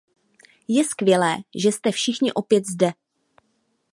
Je skvělé, že jste všichni opět zde.